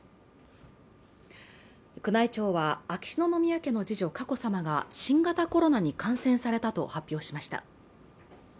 宮内庁は秋篠宮家の次女・佳子さまが新型コロナに感染されたと発表しました。